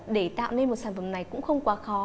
để tạo nên một sản phẩm này cũng không quá khó